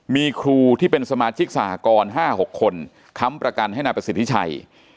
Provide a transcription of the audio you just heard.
มีครูที่เป็นสมาชิกสหกร๕๖คนค้ำประกันให้นายประสิทธิชัย